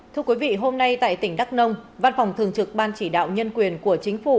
thưa quý vị hôm nay tại tỉnh đắk nông văn phòng thường trực ban chỉ đạo nhân quyền của chính phủ